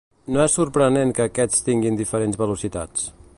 No és sorprenent que aquests tinguin diferents velocitats.